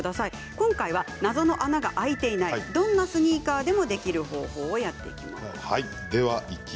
今回は謎の穴が開いていないどんなスニーカーでもできるでは、いきます。